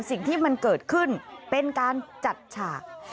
สิ่งที่มันเกิดขึ้นเป็นการจัดฉาก